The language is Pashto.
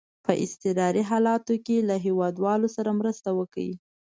په اضطراري حالاتو کې له هیوادوالو سره مرسته کوي.